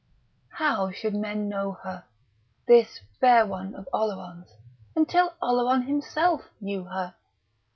How should men know her, this Fair One of Oleron's, until Oleron himself knew her?